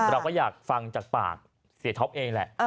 เราก็อยากฟังจากปากเสียท็อปเองแหละ